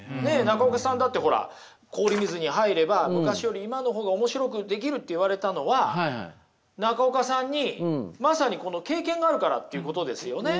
中岡さんだってほら氷水に入れば昔より今の方が面白くできるって言われたのは中岡さんにまさにこの経験があるからっていうことですよね。